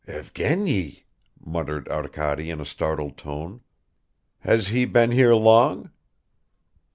"Evgeny!" muttered Arkady in a startled tone. "Has he been here long?"